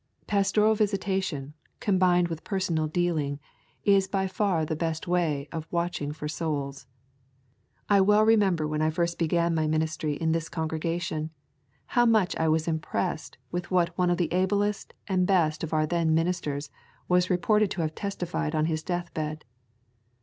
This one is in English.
Pastoral visitation, combined with personal dealing, is by far the best way of watching for souls. I well remember when I first began my ministry in this congregation, how much I was impressed with what one of the ablest and best of our then ministers was reported to have testified on his deathbed.